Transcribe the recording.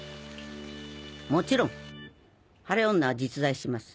もちろん晴れ女は実在します。